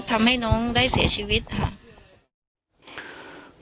ทำให้น้องได้เสียชีวิตค่ะ